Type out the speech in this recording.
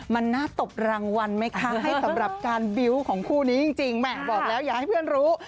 มันน่าตบรางวัลไหมคะให้สำหรับการบิวต์ของคู่นี้จริงแหม่บอกแล้วอยากให้เพื่อนรู้